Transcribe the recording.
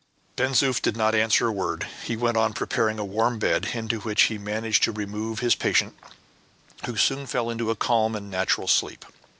Ben Zoof did not answer a word. He went on preparing a warm bed, into which he managed to remove his patient, who soon fell into a calm and natural sleep.